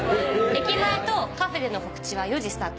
駅前とカフェでの告知は４時スタート。